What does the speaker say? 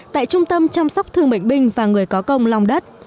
tại trung tâm chăm sóc thương bệnh binh và người có công long đất